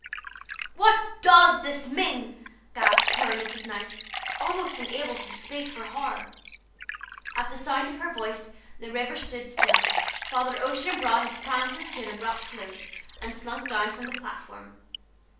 "What does this mean?" gasped poor Mrs. Knight, almost unable to speak for horror. At the sound of her voice the Rivers stood still, Father Ocean brought his prances to an abrupt close, and slunk down from the platform.